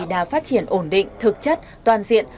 đã phát triển ổn định thực chất toàn diện